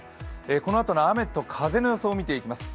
このあとの雨と風の予報を見ていきます。